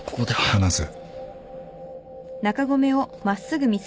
話せ。